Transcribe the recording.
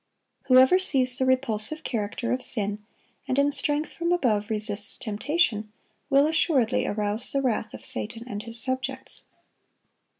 Whoever sees the repulsive character of sin, and in strength from above resists temptation, will assuredly arouse the wrath of Satan and his subjects.